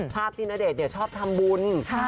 ภาพที่ณเดชน์ชอบทำบุญ